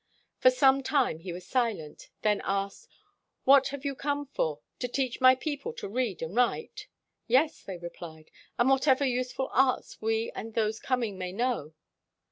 For some time he was silent, then asked: "What have you come for — to teach my people to read and write ?" "Yes," they replied, "and whatever use ful arts we and those coming may know."